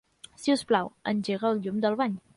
Si us plau, engega el llum del bany.